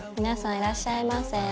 皆さんいらっしゃいませ。